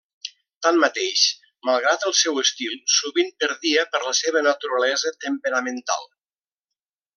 Tanmateix, malgrat el seu estil, sovint perdia per la seva naturalesa temperamental.